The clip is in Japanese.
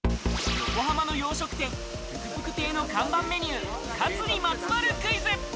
横浜の洋食店・プクプク亭の看板メニュー、カツにまつわるクイズ。